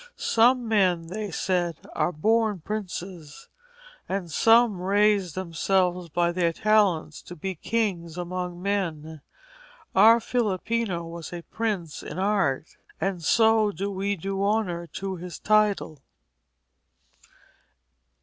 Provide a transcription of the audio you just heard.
'Some men,' they said, 'are born princes, and some raise themselves by their talents to be kings among men. Our Filippino was a prince in Art, and so do we do honour to his title.'